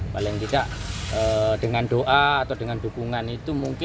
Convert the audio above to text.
paling tidak dengan doa atau dengan dukungan itu mungkin